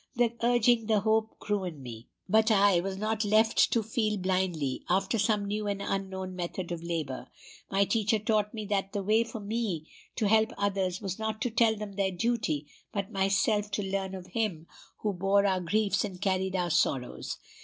The urging, the hope, grew in me. But I was not left to feel blindly after some new and unknown method of labor. My teacher taught me that the way for me to help others was not to tell them their duty, but myself to learn of Him who bore our griefs and carried our sorrows.